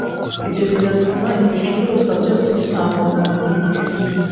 ibyo bigatuma ibicuruzwa byose bitambuka mugihe gikwiye